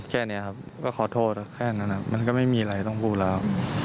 แค่นี้ครับก็ขอโทษแค่นั้นมันก็ไม่มีอะไรต้องพูดแล้ว